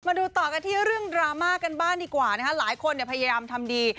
มาดูต่อกันที่เรื่องดราม่ากันบ้างดีกว่านะคะหลายคนเนี่ยพยายามทำดี